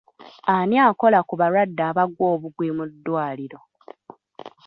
Ani akola ku balwadde abagwa obugwi mu ddwaliro?